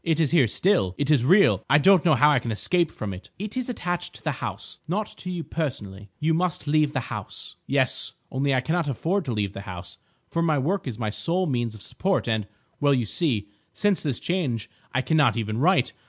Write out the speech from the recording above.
It is here still. It is real. I don't know how I can escape from it." "It is attached to the house, not to you personally. You must leave the house." "Yes. Only I cannot afford to leave the house, for my work is my sole means of support, and—well, you see, since this change I cannot even write.